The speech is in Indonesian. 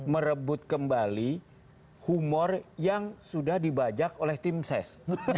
merebut kembali humor yang sudah dibajak oleh tim ses